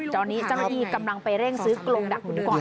ตอนนี้เจ้าหนูกำลังไปเร่งซื้อกลงดักหนูก่อน